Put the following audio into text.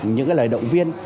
những cái lời động viên